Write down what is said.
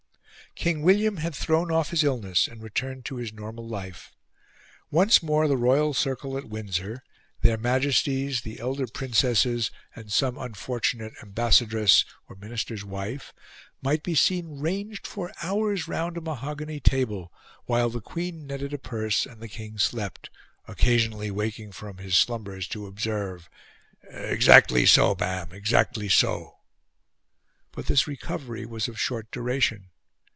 King William had thrown off his illness, and returned to his normal life. Once more the royal circle at Windsor their Majesties, the elder Princesses, and some unfortunate Ambassadress or Minister's wife might be seen ranged for hours round a mahogany table, while the Queen netted a purse, and the King slept, occasionally waking from his slumbers to observe "Exactly so, ma'am, exactly so!" But this recovery was of short duration.